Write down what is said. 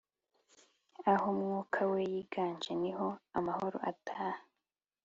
Aho Mwuka we yiganje, niho amahoro ataha.